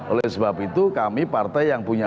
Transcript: oleh sebab itu kami partai yang punya